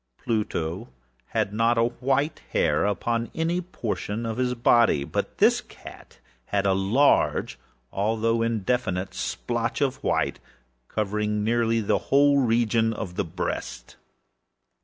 Pluto had not a white hair upon any portion of his body; but this cat had a large, although indefinite splotch of white, covering nearly the whole region of the breast.